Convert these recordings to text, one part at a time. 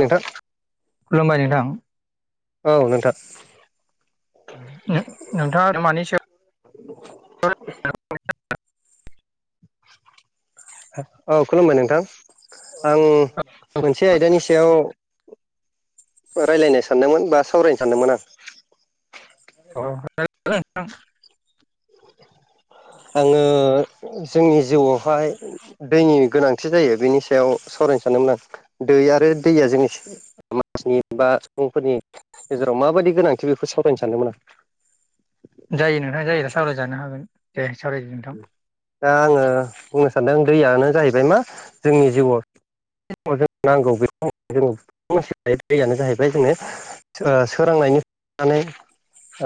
औ खुलुमबाय नोंथां औ नोंथां नो-नोंथाङा आरो मानि सा औ खुलुमबाय नोंथां आं मोनसे आयदानि सायाव रायज्लायनो सानदोंमोन बा सावरायनो सानदोंमोन आं अ [unintelligible] आङो जोंनि जिउआवहाय दैनि गोनांथि जायो बेनि सायाव सावरायनो सानदोंमोन आं दै आरो दैया जोंनि समाजनि बा सुबुंफोरनि गेजेराव माबायदि गोनांथि बेखौ सावरायनो सानदोंमोन आं जायो नोंथां जायो सावरायजानो हागोन दे सावरायदो नोंथां। दा आङो बुंनो सानदों दैयानो जाहैबाय मा जोंनि जिउआव समाव जों नांगौ बे सम जों दैयानो जाहैबाय जोंङनो सोरांनायनि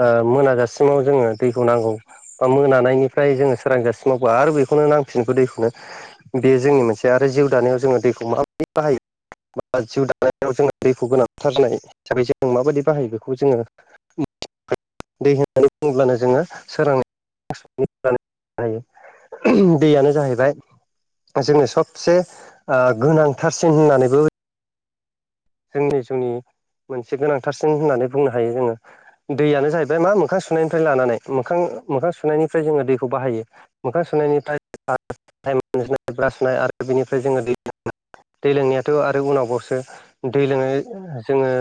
ओ मोनाजासिमाव जोङो दै होनांगौ बा मोनानायनि फ्राय जोङो सोरां जासिम मावबो आरो बेखौनो नांफिनखो दैखौनो बेयो जोंनि मोनसे आरो जिउ दानायाव जोङो दैखौ माबायदि बाहायो बा जिउ दानायाव जोङो दैखौ गोनांथारनाय हिसाबै जों माबायदि बाहायो बेखौ जोङो दै होननानै बुङोबब्लानो जोङो सोरांनाय दैयानो जाहैबाय जोंनो सबसे गोनांथारसिन होननानैबो जोंनि जिउनि मोनसे गोनांथारसिन होननानै बुंनो हायो जोङो। दैयानो जाहैबाय मा मोखां सुनायनिफ्राय लानानै मोखां मोखां सुनायनिफ्राय जोङो दैखौ बाहायो। मोखां संनायनिफ्रायाइनाय बा सुनाय आरो बिनिफ्राय जोङो दै दै लोंनायाथ' आरो उनावावसो दै लोङनाय जोङो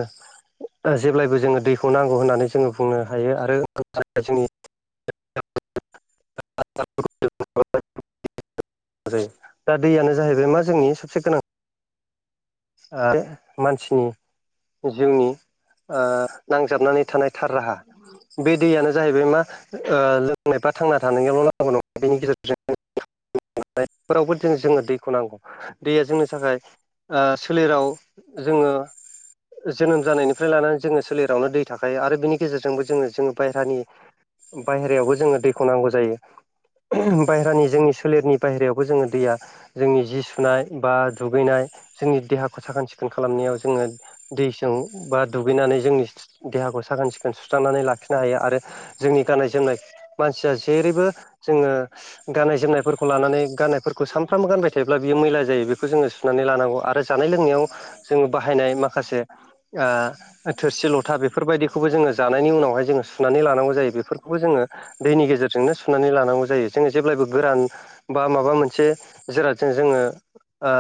जेब्लायबो जोङो दैखौ नांगौ होननानै जोङो बुंनो हायो आरो जोंनि [unintelligible] [inaudible] दा दैयानो जाहैबाय मा जोंनि सबसे गोनां मानसिनि जिउनि ओ नांजाबनानै थानाय थार राहा। बे दैयानो जाहैबाय मा ओ लोंनाय बा थांना थानायावल' नांगौ नङा बेनि गेजेरजों फोरावबो जोंनो दैखौ नांगौ दैया जोंनि थाखाय ओ सोलेराव जोङो जोनोम जानायनिफ्राय लानानै जोङो सोलेरावनो दै थाखायो आरो बिनि गेजेरजोंबो जोङो जोङो बायहेरानि बायेरायावबो जोङो दैखौ नांगौ जायो। बायहेरानि जोंनि सोलेरनि बाहेरायावबो जोङो दैया जोंनि जि सुनाय बा दुगैनाय जोंनि देहाखौ साखोन सिखोन खालामनायाव जोङो दैजों बा दुगैनानै जोंनि देहाखौ साखोन सिखोन सुस्रांनानै लाखिनो हायो। आरो जोंनि गाननाय जोमनाय मानसिया जेरैबो जोङो गाननाय जोमनायफोरखौ लानानै गाननाय फोरखौ सानफ्रामबो गानबाय थायोब्ला बियो मैला जायो बेखौ जोङो सुनानै लानांगौ आरो आरो जानाय लोंनायाव जोङो बाहायनाय माखासे थोरसि लथा बेफोरबायदिखौबो जोङो जानायनि उनावहाय जोङो सुनानै लानांगौ जायो बेफोरखौबो जोङो दैनि गेजेरजोंनो सुनानै लानांगौ जायो जोङो जेब्लायबो गोरान बा माबा मोनसे जिरादजों जोङो ओ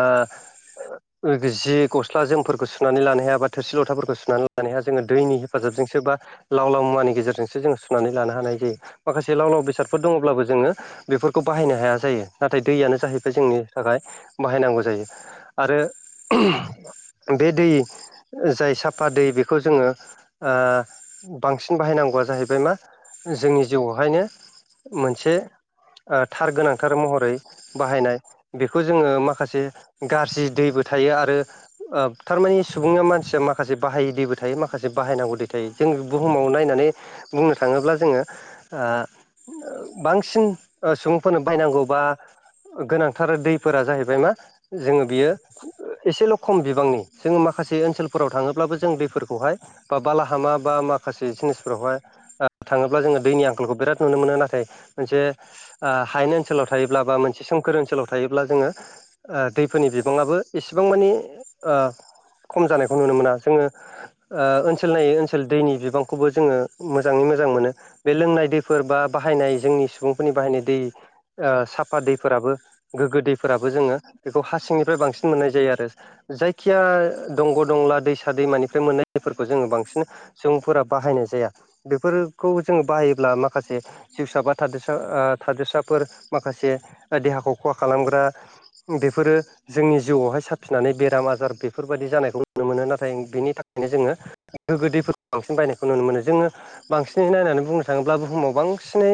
जि गस्ला जोंफोरखौ सुनानै लानो हाया बा थोरसि लथाफोरखौ सुनानै लानो हाया जोङो दैनि हेफाजाबजोंसो बा लाव लाव मुवानि गेजेरजोंसो जोङ सुनानै लानो हानाय जायो माखासे लाव लाव बेसादफोर दङब्लाबो जोङो बेफोरखौ बाहायनो हाया जायो। नाथाय दैयानो जाहैबाय जोंनि थाखाय बाहायनांगौ जायो। आरो बे दै जाय साफा दै बेखौ जोङो ओ बांसिन बाहायनांगौआ जाहैबाय मा जोंनि जिउआवहायनो मोनसे थार गोनां थार महरै बाहायनाय बेखौ जोङो माखासे गाज्रि दैबो थायो आरो थारमानि सुबुङा मानसिया माखासे बाहायै दैबो थायो माखासे बाहायनांगौ दै थायो जों बुहुमाव नायनानै बुंनो थाङोब्ला जोङो बांसिन सुबुंफोरनो बायनांगौ बा गोनांथार दैफोरा जाहैबाय मा जोङो बियो एसेल' खम बिबांनि जोङो माखासे ओनसोलफोराव थाङोब्लाबो जों दैफोरखौहाय बा बालाहामा बा माखासे जिनिसफोरावहाय थाङोब्ला जोङो दैनि आंखालखौ बिराद नुनो मोनो नाथाय मोनसे ओ हायेन ओनसोलाव थायोब्ला बा मोनसे सोमखोर ओनसोलाव थायोब्ला जोङो ओ दैफोरनि बिबांङाबो एसेबां मानि खम जानायखौ नुनो मोना जोङो ओनसोल नायै ओनसोल दैनि बिबांखौबो जोङो मोजाङै मोजां मोनो बे लोंनाय दैफोर बा बाहायनाय जोंनि सुबुंफोरनि बाहायनाय दै ओ साफा दैफोराबो गोग्गो दैफोराबो जोङो बेखौ हा सिंनिफ्राय बांसिन मोननाय जायो। आरो जायखिया दंग' दंला दैसा दैमानिफ्राय मोननायफोरखौ जोङो बांसिन सुबुंफोरा बाहायनाय जाया बेफोरखौ जोङो बाहायोब्ला माखासे जिउसा बा थादोरसा थादोरसाफोर माखासे देहाखौ खहा खालामग्रा बेफोरो जोंनि जिउआवहाय साफिनानै बेराम आजार बेफोरबायदि जानायखौ नुनो मोनो नाथाय बेनि थाखायनो जोङो गोगो दैफोरखौ बांसिन बायनायखौ नुनो मोनो जोङो बांसिनै नायनानै बुंनो थाङोब्ला बुहुमाव बां सिनै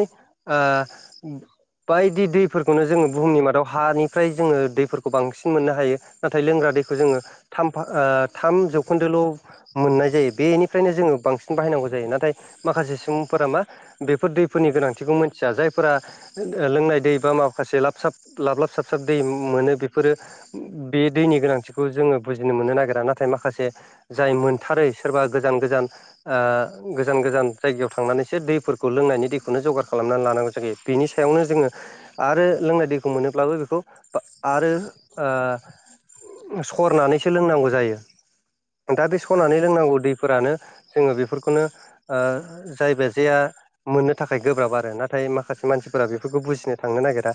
आ बायदि दैफोरखौनो जोङो बुहुमनि मादाव हानिफ्राय जोङो दैफोरखौ बांसिन मोननो हायो नाथाय लोंग्रा दैखौ जोङो थाम थाम जौखोन्दोल' मोननाय जायो बेनिफ्रायनो जोङो बांसिन बाहायनांगौ जायो नाथाय माखासे सुबुंफोरा मा बेफोर दैफोरनि गोनांथिखौ मोनथिया जायफोरा लोंनाय दै बा माखासे लाबसाब लाब लाब साबसाब दै मोनो बेफोरो बे दैनि गोनांथिखौ जोङो बुजिनो मोननो नागिरा नाथाय माखासे जाय मोनथारै सोरबा गोजान गोजान गोजान गोजान जायगायाव थांनानैसो दैफोरखौ लोंनायनि दैखौनो जगार खालामनानै लानांगौ जायो बिनि सायावनो जोङो आरो लोंनाय दैखौ मोनोब्लाबो बेखौ आरो सरनानैसो लोंनांगौ जायो दा दै स'नानै लोंनांगौ दैफोरानो जोङो बेफोरखौनो जायोबा जाया मोननो थाखाय गोब्राब आरो नाथाय माखासे मानसिफोरा बेफोरखौ बुजिनो थांनो नागिरा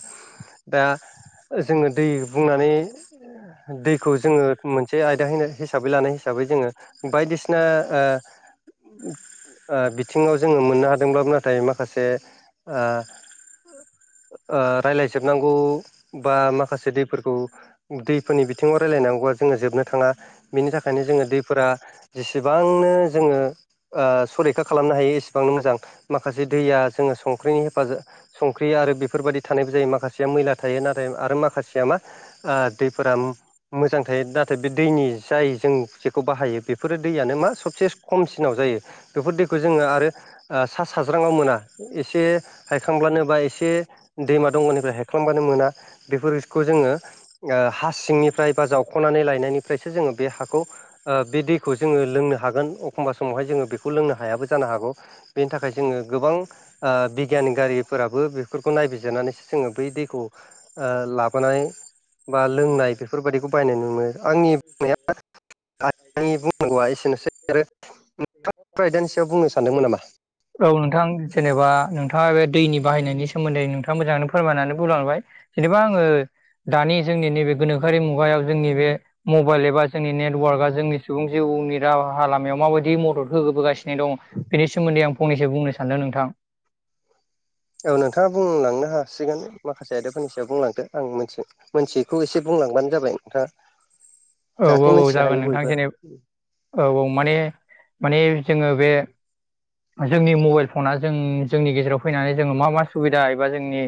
दा जोङो दै बुंनानै दैखौ जोङो मोनसे आयदा हिसाबै लानाय हिसाबै जोङो बायदिसिना बिथिङाव जोङो मोननो हादोंब्लाबो नाथाय माखासे रायज्लायजोबनांगौ बा माखासे दैफोरखौ दैफोरनि बिथिङाव रायलायनांगौवा जोङो जोबनो थाङा बिनि थाखायनो जोङो दैफोरा जेसेबांनो जोङो सरैखा खालामनो हायो एसेबां मोजां माखासे दैया जोङो संख्रिनि हेफाजाब संख्रि आरो बेफोरबायदि थानायबो जायो माखासेया मैला थायो नाथाय आरो माखासेया मा आरो दै फाराम मोजां थायो नाथाय बे दैनि जाय जों जेखौ बाहायो बेफोरो दैयानो मा सबसे खमसिनाव जायो बेफोर दैखौ जोङो आरो सा साज्राङाव मोना एसे हायखांब्लानो बा एसे दैमा दंनिफ्राय हायखांब्लानो मोना बेफोरखौ जोङो हा सिंनिफ्राय बा जावख'नानै लायनायनिफ्रायसो जोङो बे हाखौ बिदि खौ जोङो लोंनो हागोन एखमबा समावहाय जोङो बेखौ लोंनो हायाबो जानो हागौ बेनि थाखाय जोङो गोबां बिगियानि गारिफोराबो बेफोरखौ नायबिजिरनानै जोङो बै दैखौ लाबोनाय बा लोंनाय बे फोरबायाददिखौ बायनाय नुनो आंनि बुंनाया आंनि बुंनांगौआ एसेनोसै आरो बेफोर आयदानि सायाव बुंनो सानदोंमोन नामा [inaudible] औ नोंथां जेनेबा नोंथाङा बे दैनि बाहायनायनि सोमोन्दै नोंथाङा मोजाङैनो फोरमायनानै बुंलांबाय जेनेबा आङो दानि जोंनि नैबे गोनोखोरि मुगायाव जोंनि बे मबाइल एबा जोंनि नेटवार्कआ जोंनि सुबुं जिउनि राहा लामायाव माबायदि मदद होबोबोगासिनो दं बेनि सोमोन्दै आं फंनैसो बुंनो सानदों नोंथां औ नोंथाङा बुंलांनो हासिगोन माखासे आयदाफोरनि सायाव बुंलांदो आं मिथि मोनथिखौ एसे बुंलांबानो जाबाय नोंथाङा औ औ जाहाथे औ मिथिनो जागोन हायो नोंथां बयबो जेने औ औ माने माने जोङो बे जोंनि मबाइल फना जों जोंनि गेजेराव फैनानै जोङो मा मा सुबिदा एबा जोंनि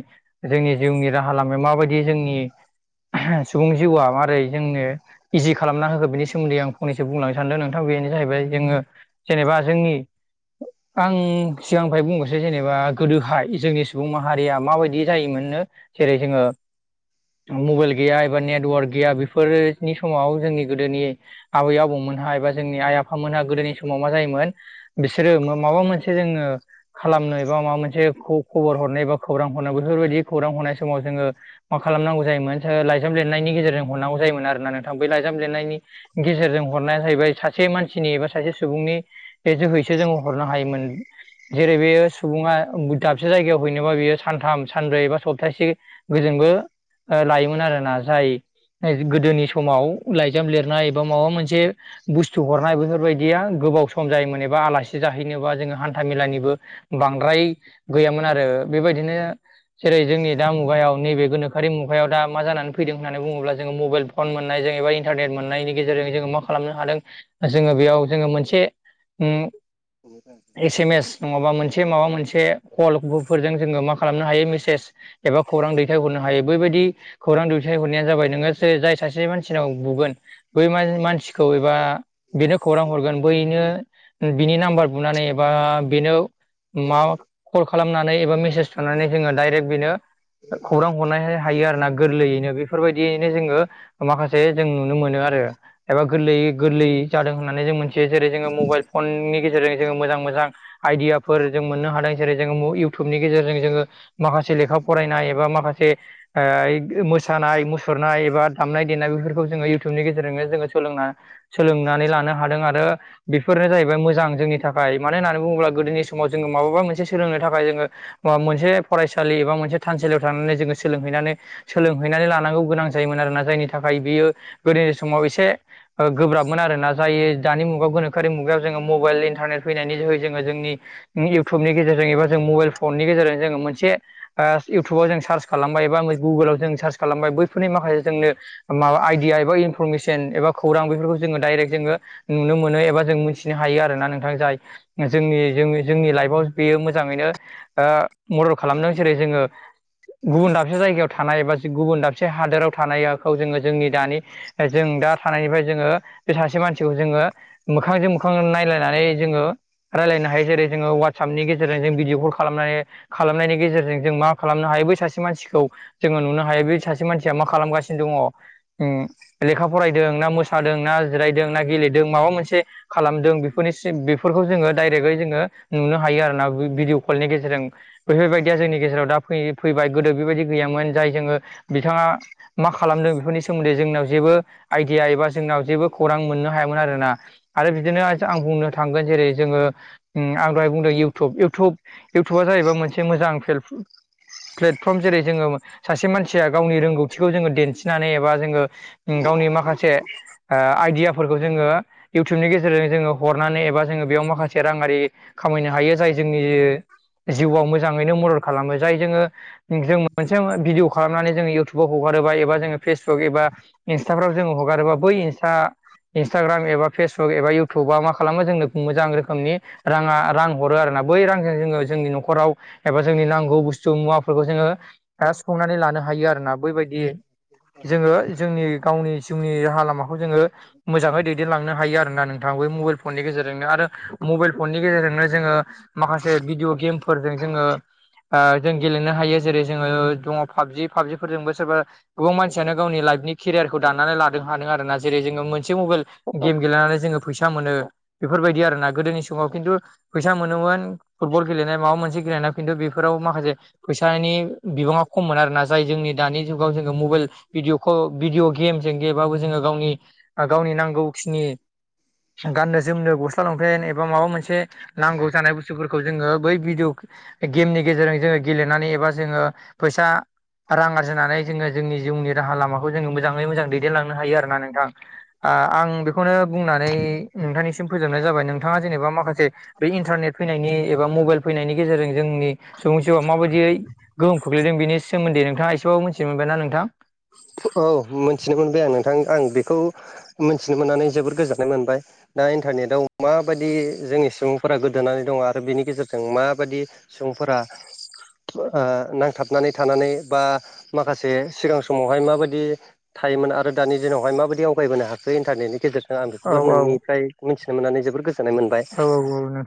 जोंनि जिउनि राहा लामाया माबायदि जोंनि सुबुं जिउआ मारै जोंनो इजि खालामना होखो बिनि सोमोन्दै आं फंनैसो बुंलांनो सानदों नोंथां बेनो जाहैबाय जोङो जेनेबा जोंनि आं सिगांनिफ्राय बुंबसै जेनेबा गोदोहाय जोंनि सुबुं माहारिया माबायदि जायोमोननो जेरै जोङो मबाइल गैया एबा नेटवार्क गैया बेफोरनि समाव जोंनि गोदोनि आबै आबौमोनहा एबा जोंनि आइ आफ फामोनोनहा गोदोनि समाव मा जायोमोन बिसोरो माबा मोनसे जोङो खालामनो एबा माबा मोनसे खौ खबर हरनो बा खौरां हरनो बेफोरबायदि खौरां हरनाय समाव जोङो मा खालामनांगौ जायोमोन ओ लाइजाम लिरनायनि गेजेरजों हरनांगौ जायोमोन आरोना नों थां बेै लाइजाम लिरनायनि गेजेरजों हरनाया जाहैबाय सासे मानसिनि एबा सासे सुबुंनि बे जोहैसो जोङो हरनो हायोमोन। जेरै बेयो सुबुङा दाबसे जायगायाव हैनोबा बियो सानथाम सानब्रै बा सप्तासे गोजोंबो ओ लायोमोन आरोना जाय गोदोनिस समाव लाइजाम लिरनाय एबा माबा मोनसे बुस्थु हरनाय बेफोरबायदिया गोबाव सम जायोमोन एबा आलासि जाहैनोबा जोङो हान्था मेलानिबो बांद्राय गैयामोन आरो बेबायदिनो जेरै जोंनि दा मुगायाव नैबे गोनोखोआरि मुगायाव दा मा जानानै फैदों होननानै बुङोब्ला जोङो मबाइल फन मोननाय जों एबा इन्टारनेट मोननायनि गेजेरजों जोङो मा खालामनो हादों जोङो बेयाव जोङो मोनसे उम एस एम एस नङाबा मोनसे माबा मोनसे कलफोरजों जोङो मा खालामनो हायो मेसेज एबा खौरां दैथायहरनो हायो बैबायदि खौरां दैथायहरनाया जाबाय नोङो जाय सासे से मानसिनाव बुगोन बै मान मानसिखौ एबा बेनो खौरां हरगोन बैनो बिनि नाम्बार बुनानै एबा बेनो मा कल खालामनानै एबा मेसेज थुनानै जोङो डाइरेक्ट बिनो खौरां हरनाय हायो आरोना गोरलैयैनो बेफोरबायदियैनो जोङो माखासे जों नुनो मोनो आरो। एबा गोरलैयै गोरलै जादों होननानै जों मोनथियो जेरै जोङो मबाइल फननि गेजेरजों जोङो मोजां मोजां आइडियाफोर जों मोननो हादों जेरै जोङो इउटुबनि गेजेरजों जोङो माखासे लेखा फरायनाय एबा माखासे ओ मोसानाय मुसुरनाय एबा दामनाय देनाय बेफोरखौ जोङो इउटुबनि गेजेरजोंनो जोङो सोलोंना सोलोंनानै लानो हादों आरो बेफोरनो जाहैबाय मोजां जोंनि थाखाय मानो होननानै बुङोब्ला गोदोनि समाव जोङो माबबा मोनसे सोलोंनो थाखाय जोङो। मोनसे फरायसालि एबा मोनसे थानसालियाव थांनानै जोङो सोलोंहैनानै सोलोंहैनानै लानांगौ गोनां जायोमोन आरोना। जायनि थाखाय बियो गोदोनि समाव एसे ओ गोब्राबमोन आरोना जाय दानि मुगायाव गोनोखोआरि मुगायाव जोङो मबाइल इन्टारनेट फैनायनि जोहै जोङो जोंनि इउटुबनि गेजेरजों एबा जों मबाइल फननि गेजेरजों जोङो मोनसे आ इउटुबाव जों सार्च खालामबाय एबा गुगोलाव जों सार्च खालामबाय बैफोरनि माखासे जोंनो माबा आइडिया एबा इन इनफरमेसन एबा खौरां बेफोरखौ जोङो डाइरेक्ट जोङो नुनो मोनो एबा जों मिथिनो हायो आरोना नोंथां जाय जोंनि जोंनि जोंनि लाइफआव बेयो मोजाङैनो ओ मदद खालामदों जेरै जोङो गुबुन दाबसे जायगायाव थानाय बा गुबुन दाबसे हादोराव थानायखौ जोङो जोंनि दानि जों दा थानायनिफ्राय जोङो बे सासे मानसिखौ जोङो मोखांजों मोखां नायलायनानै जोङो रायज्लायनो हायो जेरै जोङो वाटसएपनि गेजेरजों जों भिडिय' कल खालामनानै खालामनायनि गेजेरजों जों मा खालामनो हायो बै सासे मानसिखौ जोङो नुनो हायो बे सासे मानसिया मा खालामगासि दङ उम लेखा फरायदों ना मोसादों ना जिरायदों ना गेलेदों माबा मोनसे खालामदों बेफोरनि सिब बेफोरखौ जोङो डाइरेक्टयै जोङो नुनो हायो आरो ना। भिडिय' कलनि गेजेरजों। बेफोरबायदिया जोंनि गेजेराव दा फैयै फैबाय गोदो बेबायदि गैयामोन जाय जोङो बिथाङा मा खालामदों बेफोरनि सोमोन्दै जोंनाव जेबो आइडिया एबा जोंनाव जेबो खौरां मोननो हायामोन आरो ना। आरो बिदिनो आं बुंनो थांगोन जेरै' जोङो उम आं दहाय बुंदों इउटुब इउटुब इउटुबा जाहैबाय मोनसे मोजां हेलप प्लेटफर्म जेरै' जोङो सासे मानसिया गावनि रोंगौ थिखौ जोङो दिन्थिनानै एबा जोङो गावनि माखासे ओ आइडियाफोरखौ जोङो इउटुबनि गेजेरजों जोङो हरनानै एबा जोङो बेयाव माखासे राङारि खामायनो हायो। जाय जोंनि जिउआव मोजाङैनो मदद खालामो। जाय जोङो जों मोनसे भिडिय' खालामनानै जोङो इउटु बो हगारोबा एबा जोङो फेसबुक एबा इन्स्टाफ्राव जोङो हगारोबा बै इन्सटा इन्स्टाग्राम एबा फेसबुक एबा इउटुबा मा खालामो जोंनो मोजां रोखोमनि राङा रां हरो आरोना बै रांजों जोङो जोंनि न'खराव एबा जोंनि नांगौ बुस्थु मुवाफोरखौ जोङो सुखंनानै लानो हायो आरो ना। बैबायदि जोङो जोंनि गावनि जिउनि राहा लामाखौ जोङो मोजाङै दैदेनलांनो हायो आरो ना नोंथाङाो बे मबाइल फननि गेजेरजोंनो आरो। मबाइल फननि गेजेरजोंनो जोङो माखासे भिडिअ गेमफोरजों जोङो ओ जों गेलेनो हायो जेरै' जोङो दङ पाबजि पाबजि फोरजोंबो सोरबा गोबां मानसियानो गावनि लाइफनि केरियारखौ दानानानै लाानो हादों आरो ना जेरै' जोङो मोनसे मबाइल गेम गेलेनानै जोङो फैसा मोनो। बेफोरबायदि आरो ना गोदोनि समाव खिन्थु फैसा मोनोमोन फुटबल गेलेनाय माबा मोनसे गेलेनाय खिन्थु बेफोराव माखासे फैसानि बिबाङा खममोन आरो ना जाय जोंनि दानि जुगाव जोङो मबाइल भिडिय'खै भिडिय' गेमजों गेबाबो जोङो गावनि गावनि नांगौखिनि गाननो जोमनो गस्ला लंफेन एबा माबा मोनसे नांगौ जानाय बुस्थुफोरखौ जोङो बै भिडिअ गेमनि गेजेरजों जोङो गेलेनानै एबा जोङो फैसा रां आर जोङो जोंनि जिउनि राहा लामाखौ जोङो मोजाङै मोजां दैदेनलांनो हायो आरोोना नोंथां। बा आं बेखौनो बुंनानै नोंथांनिसिम फोजोबनाय जाबाय। नोंथाङा जेनेबा माखासे बे इन्टारनेट फैनायनि एबा मबाइल फैनायनि गेजेरजों जोंनि सुबुं जिवा माबायदियै गोहोम खोलैदों बिनि सोमोन्दैोंथाङा एसेबाबो मिथि मोनबाय ना नोंथां। औ मोनथिनो मोनबाय आं नोंथां। आं बेखौ मिथिनो मोननानै जोबोद गोजोननाय मोनबाय। दा इन्टारनेटआव माबायदि जोंनि सुबुंफोरा गोदोनानै दङ आरो बेनि गेजेरजों माबायदि सुबुंफोरा। ओ नांथाबनानै थानानै बा माखासे सिगां समाव हाय माबायदि थायोमोन आरो दानि दिनावाय माबायदि आवगायबोनो हाखायो इन्टारनेनि गेजेर दा आं औ बेखौबो नोंनिफ्राय मिथिनो मोननानै जोबोद गोजोननाय मोनद औ औ। [inaudible]